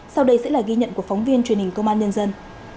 sau đây sẽ là ghi nhận của phóng viên truyền hình công an nhân dân